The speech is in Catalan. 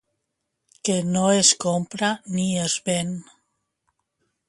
Que no es compra ni es ven.